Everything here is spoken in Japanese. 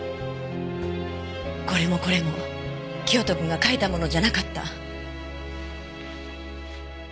これもこれも清人くんが書いたものじゃなかった。